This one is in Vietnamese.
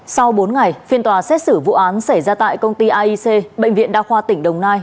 sau bốn ngày phiên tòa xét xử vụ án xảy ra tại công ty aic bệnh viện đa khoa tỉnh đồng nai